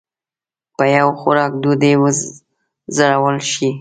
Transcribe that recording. په یو خوراک ډوډۍ وځورول شي.